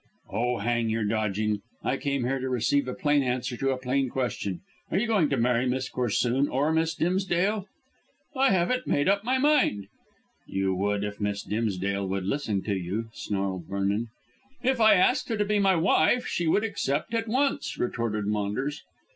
"Oh, hang your dodging. I came here to receive a plain answer to a plain question. Are you going to marry Miss Corsoon or Miss Dimsdale?" "I haven't made up my mind." "You would if Miss Dimsdale would listen to you," snarled Vernon. "If I asked her to be my wife she would accept at once," retorted Maunders.